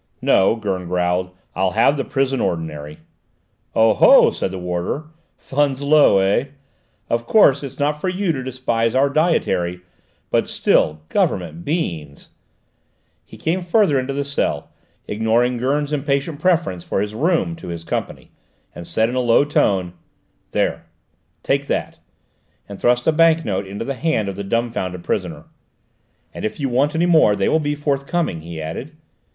"No," Gurn growled. "I'll have the prison ordinary." "Oh ho!" said the warder; "funds low, eh? Of course, it's not for you to despise our dietary, but still, Government beans " He came further into the cell, ignoring Gurn's impatient preference for his room to his company, and said in a low tone: "There, take that," and thrust a bank note into the hand of the dumbfounded prisoner. "And if you want any more, they will be forthcoming," he added.